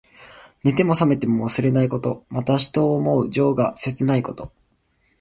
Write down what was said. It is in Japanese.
寝ても冷めても忘れないこと。また、人を思う情が切ないこと。